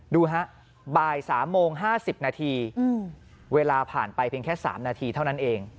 ดูฮะบ่าย๓โมง๕๐นาทีเวลาผ่านไปเพียงแค่๓นาทีเท่านั้นเอง